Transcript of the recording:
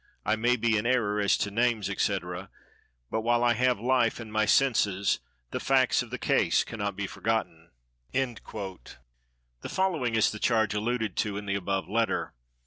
I may be in error as to names, &c., but while I have life and my senses the facts of the case cannot be forgotten. The following is the "charge" alluded to in the above letter.